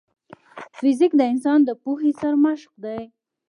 فزیک د انسان د پوهې سرمشق دی.